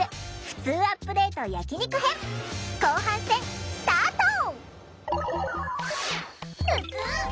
ふつうアップデート焼き肉編後半戦スタート！